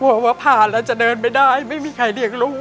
ว่าผ่านแล้วจะเดินไม่ได้ไม่มีใครเลี้ยงลูก